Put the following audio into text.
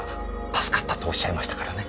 助かったとおっしゃいましたからね。